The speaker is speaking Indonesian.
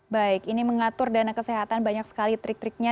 baik ini mengatur dana kesehatan banyak sekali trik triknya